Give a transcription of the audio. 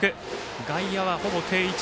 外野は、ほぼ定位置。